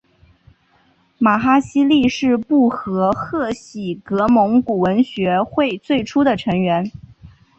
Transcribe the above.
玛哈希力是布和贺喜格蒙古文学会最初的成员。